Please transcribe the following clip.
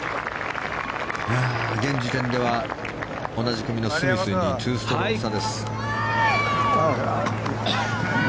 現時点では同じ組のスミスに２ストローク差です。